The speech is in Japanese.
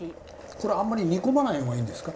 これあんまり煮込まない方がいいんですか？